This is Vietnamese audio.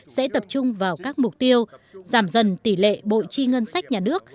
sẽ tập trung vào các mục tiêu giảm dần tỷ lệ bội chi ngân sách nhà nước